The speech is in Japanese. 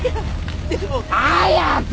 でも！早く！！